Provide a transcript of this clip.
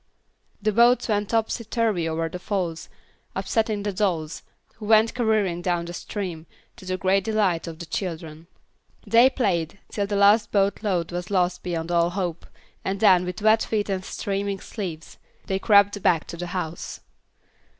The boats went topsy turvy over the falls, upsetting the dolls, who went careering down the stream, to the great delight of the children. They played till the last boat load was lost beyond all hope, and then, with wet feet and streaming sleeves, they crept back to the house.